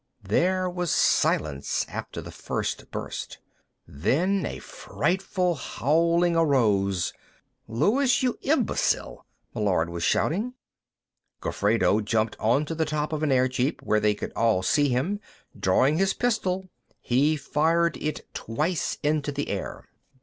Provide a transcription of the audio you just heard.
There was silence after the first burst. Then a frightful howling arose. "Luis, you imbecile!" Meillard was shouting. Gofredo jumped onto the top of an airjeep, where they could all see him; drawing his pistol, he fired twice into the air.